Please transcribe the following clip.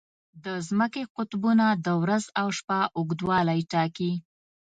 د ځمکې قطبونه د ورځ او شپه اوږدوالی ټاکي.